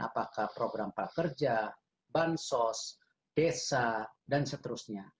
apakah program prakerja bansos desa dan seterusnya